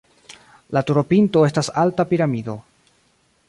La turopinto estas alta piramido.